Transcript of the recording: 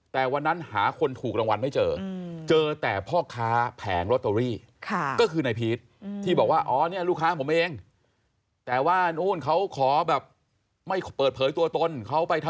แต่วันนั้นหาคนถูกรางวัลไม่เจอเจอแต่พ่อค้าแผงลอตเตอรี่